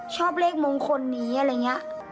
ชอบเลขมงคลนี้อะไรอย่างนี้